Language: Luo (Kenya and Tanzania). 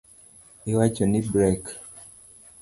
Iwacho ni brek?